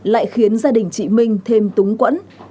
lại khiến gia đình chị minh thêm túng quẫn